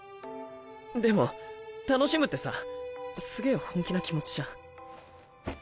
でも楽しむってさすげぇ本気な気持ちじゃん？